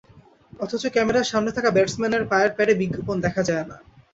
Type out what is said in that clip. অথচ ক্যামেরার সামনে থাকা ব্যাটসম্যানের পায়ের প্যাডে বিজ্ঞাপন দেখা যায় না।